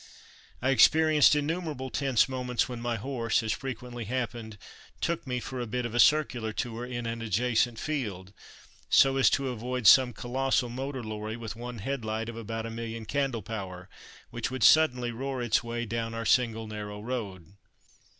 I experienced innumerable tense moments when my horse as frequently happened took me for a bit of a circular tour in an adjacent field, so as to avoid some colossal motor lorry with one headlight of about a million candle power, which would suddenly roar its way down our single narrow road.